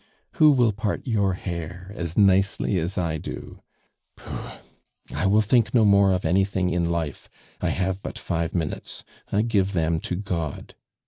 "Who will part your hair as nicely as I do? Pooh! I will think no more of anything in life; I have but five minutes, I give them to God.